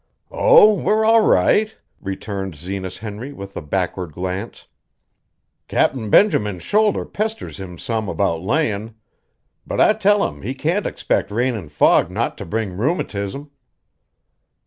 "Oh, we're all right," returned Zenas Henry with a backward glance. "Captain Benjamin's shoulder pesters him some about layin', but I tell him he can't expect rain an' fog not to bring rheumatism."